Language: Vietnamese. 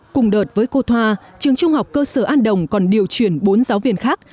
cùng đợt với cô thoa trường trung học cơ sở an đồng còn điều chuyển bốn giáo viên khác